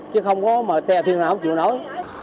chứ không có mà tè thiền nào không chịu nổi